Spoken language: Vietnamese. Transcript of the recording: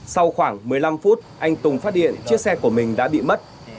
sau khoảng một mươi năm phút anh tùng phát điện chiếc xe của mình đã bị mất